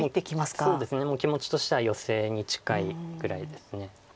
もう気持ちとしてはヨセに近いぐらいです。